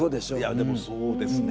でもそうですね。